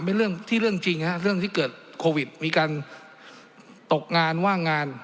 เป็นเรื่องที่เรื่องจริงฮะเรื่องที่เกิดโควิดมีการตกงานว่างงาน